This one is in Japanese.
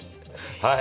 はい。